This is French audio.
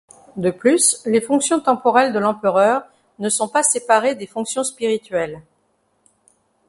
De plus, les fonctions temporelles de l'empereur ne sont pas séparées des fonctions spirituelles.